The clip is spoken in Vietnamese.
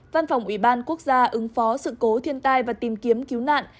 văn phòng ủy ban quốc gia ứng phó sự cố thiên tai và tìm kiếm cứu nạn